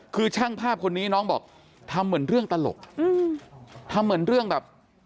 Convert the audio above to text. คือช่างภาพคนนี้น้องบอกทำเหมือนเรื่องตลกทำเหมือนเรื่องแบบ